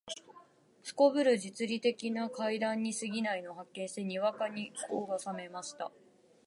頗る実利的な階段に過ぎないのを発見して、にわかに興が覚めました